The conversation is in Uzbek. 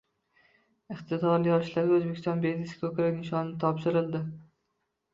Iqtidorli yoshlarga Oʻzbekiston belgisi koʻkrak nishoni topshirildi